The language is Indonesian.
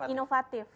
i untuk inovatif